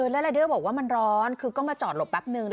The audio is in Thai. แล้วรายเดอร์บอกว่ามันร้อนคือก็มาจอดหลบแป๊บนึง